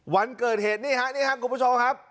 วันเกิดเหตุนี่ฮะนี่ครับคุณผู้ชมครับ